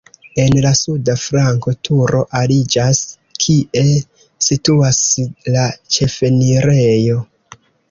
En la suda flanko turo aliĝas, kie situas la ĉefenirejo.